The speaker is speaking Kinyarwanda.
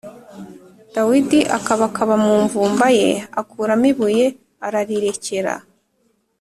Dawidi akabakaba mu mvumba ye akuramo ibuye ararirekera